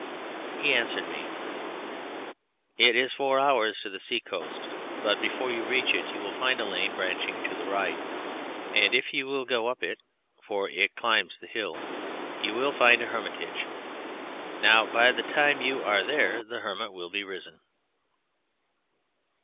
He answered me: "It is four hours to the sea coast, but before you reach it you will find a lane branching to the right, and if you will go up it (for it climbs the hill) you will find a hermitage. Now by the time you are there the hermit will be risen."